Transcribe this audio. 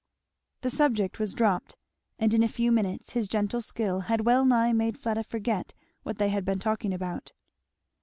The subject was dropped, and in a few minutes his gentle skill had well nigh made Fleda forget what they had been talking about.